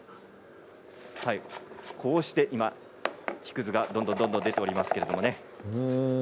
こうして木くずがどんどん出ておりますけれどもね。